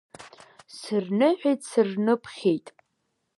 Сырныҳәеит, сырныԥхьеит.